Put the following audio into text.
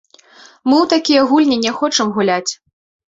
Мы ў такія гульні не хочам гуляць.